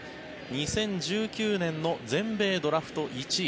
２０１９年の全米ドラフト１位。